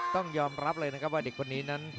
ต้องยอมรับเลยนะครับว่าเด็กคนนี้นั้น